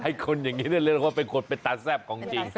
คนอย่างนี้เรียกว่าเป็นคนเป็นตาแซ่บของจริง